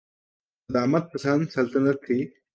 قدامت پسند سلطنت تھی۔